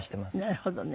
なるほどね。